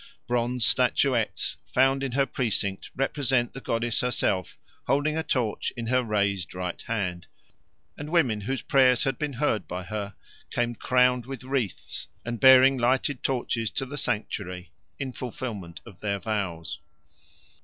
Bronze statuettes found in her precinct represent the goddess herself holding a torch in her raised right hand; and women whose prayers had been heard by her came crowned with wreaths and bearing lighted torches to the sanctuary in fulfilment of their vows.